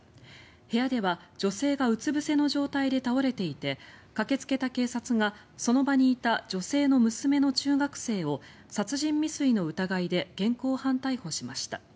部屋では女性がうつぶせの状態で倒れていて駆けつけた警察がその場にいた女性の娘の中学生を殺人未遂の疑いで現行犯逮捕しました。